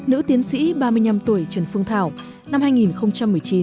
nữ tiến sĩ ba mươi năm tuổi trần phương thảo năm hai nghìn một mươi chín